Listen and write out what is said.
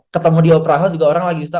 ketemu di al praha juga orang lagi bisa